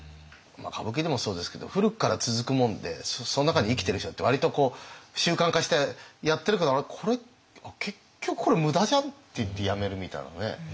歌舞伎でもそうですけど古くから続くもんでその中に生きてる人って割と習慣化してやってるけど結局これ無駄じゃん？っていってやめるみたいなね。